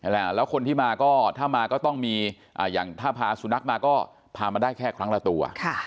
แล้วคนที่มาก็ถ้ามาก็ต้องมีอย่างถ้าพาสุนัขมาก็พามาได้แค่ครั้งละตัว